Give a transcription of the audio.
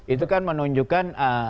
itu kan menunjukkan